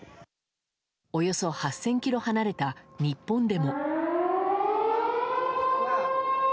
およそ８０００ｋｍ離れた日本でも。